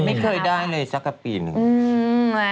ไม่เคยได้เลยสักปีหนึ่ง